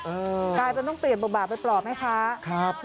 กลายเป็นต้องเปลี่ยนบ่าไปปรอบให้ภาพ